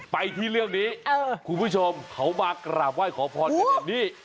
ไปที่เรื่องนี้คุณผู้ชมเขามากราบไหว้ขอพรกันแบบนี้